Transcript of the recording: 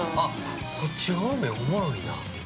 こっち方面おもろいなって。